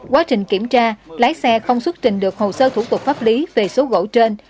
quá trình kiểm tra lái xe không xuất trình được hồ sơ thủ tục pháp lý về số gỗ trên